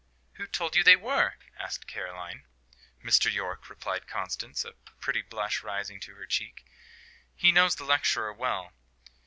"Who told you they were?" asked Caroline. "Mr. Yorke," replied Constance, a pretty blush rising to her cheek. "He knows the lecturer well.